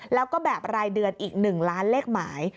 แล้วก็แบบรายเดือนอีก๑ล้านเลขหมาย